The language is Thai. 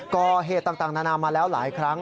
ก่อเหตุต่างนานามาแล้วหลายครั้ง